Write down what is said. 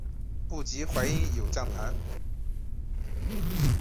不及淮阴有将坛。